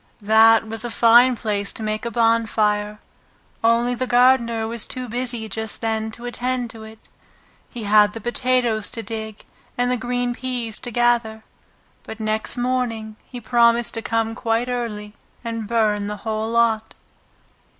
That was a fine place to make a bonfire, only the gardener was too busy just then to attend to it. He had the potatoes to dig and the green peas to gather, but next morning he promised to come quite early and burn the whole lot.